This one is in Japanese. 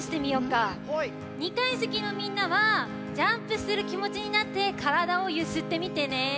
２かいせきのみんなはジャンプするきもちになってからだをゆすってみてね。